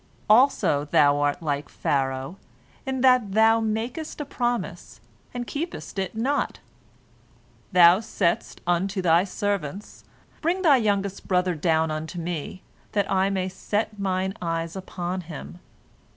Also thou art like Pharaoh in that thou makest a promise and keepest it not. Thou saidst unto thy servants, Bring thy youngest brother down unto me, that I may set mine eyes upon him.